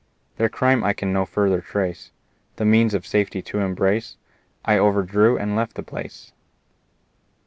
Their crime I can no further trace The means of safety to embrace, I overdrew and left the place.